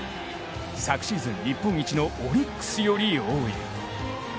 昨シーズン日本一のオリックスより多い。